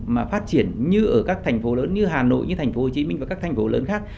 mà phát triển như ở các thành phố lớn như hà nội như thành phố hồ chí minh và các thành phố lớn khác